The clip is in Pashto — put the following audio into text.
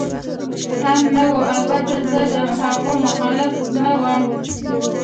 هم نه وه، البته زه د هغوی مخالف نه ووم.